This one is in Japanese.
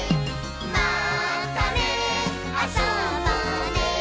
「またねあそぼうね